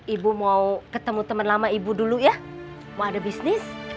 ibu mau ketemu teman lama ibu dulu ya mau ada bisnis